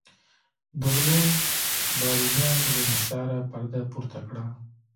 د غلو بارونیانو له انحصاره پرده پورته کړه.